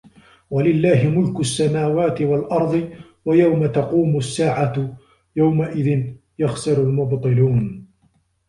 وَلِلَّهِ مُلكُ السَّماواتِ وَالأَرضِ وَيَومَ تَقومُ السّاعَةُ يَومَئِذٍ يَخسَرُ المُبطِلونَ